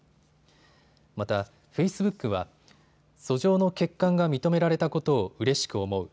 また、フェイスブックは訴状の欠陥が認められたことをうれしく思う。